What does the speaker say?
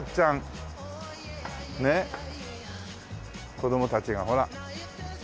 子供たちがほら。